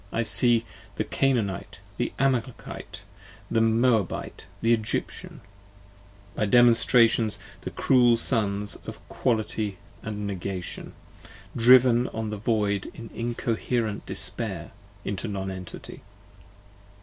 I see The Canaanite, the Amalekite, the Moabite, the Egyptian: By Demonstrations the cruel Sons of Quality & Negation, Driven on the Void in incoherent despair into Non Entity.